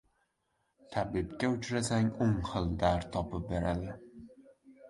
• Tabibga uchrasang o‘n xil dard topib beradi.